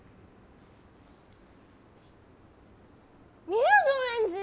みやぞんエンジ